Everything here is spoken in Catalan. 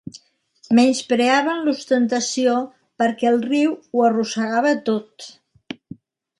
Menyspreaven l'ostentació perquè el riu ho arrossegava tot.